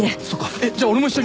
えっじゃあ俺も一緒に。